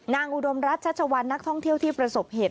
อุดมรัชชัชวัลนักท่องเที่ยวที่ประสบเหตุ